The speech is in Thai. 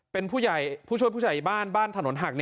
เป็นผู้ช่วยผู้ใหญ่บ้านบ้านถนนหัก